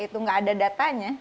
itu gak ada datanya